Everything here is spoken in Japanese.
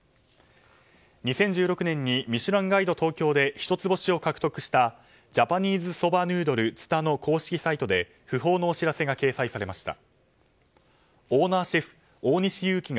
２０１６年にミシュランガイド東京で一つ星を獲得したジャパニーズソバヌードル蔦の公式サイトで訃報のお知らせが掲載されました。